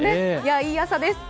いい朝です。